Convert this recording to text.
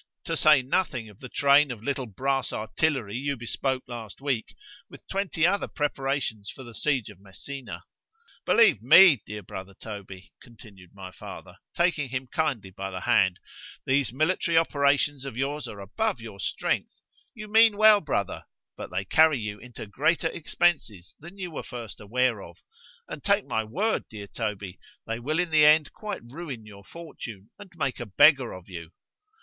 —to say nothing of the train of little brass artillery you bespoke last week, with twenty other preparations for the siege of Messina: believe me, dear brother Toby, continued my father, taking him kindly by the hand—these military operations of yours are above your strength;—you mean well brother——but they carry you into greater expences than you were first aware of;—and take my word, dear Toby, they will in the end quite ruin your fortune, and make a beggar of you.